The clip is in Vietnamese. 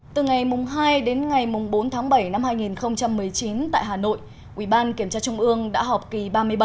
từ ngày hai đến ngày bốn tháng bảy năm hai nghìn một mươi chín tại hà nội ủy ban kiểm tra trung ương đã họp kỳ ba mươi bảy